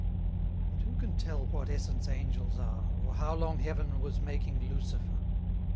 But who can tell what essence angels are, 20 Or how long Heaven was making Lucifer?